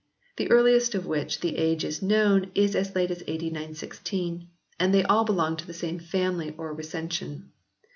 The earliest of which the age is known is as late as A.D. 916, and they all belong to the same family or recension.